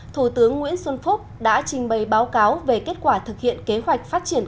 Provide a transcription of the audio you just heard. thủ tướng nguyễn xuân phúc đã trình bày báo cáo về kết quả thực hiện kế hoạch phát triển